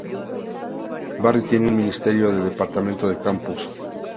Barry tiene un Ministerio del Departamento de Campus.